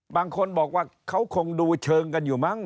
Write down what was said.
บางคนบอกว่าเขาคงดูเชิงกันอยู่มั้ง